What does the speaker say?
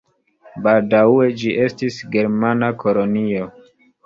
Baldaŭe ĝi estis germana kolonio.